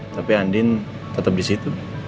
tapi andi tetep disitu